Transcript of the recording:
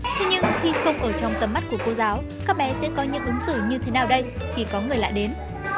thế nhưng khi không ở trong tầm mắt của cô giáo các bé sẽ có những ứng xử như thế nào đây khi có người lạ đến